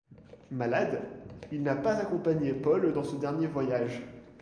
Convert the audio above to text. Malade, il n'a pas accompagné Paul dans ce dernier voyage.